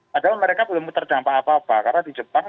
padahal mereka belum terdampak apa apa karena di jepang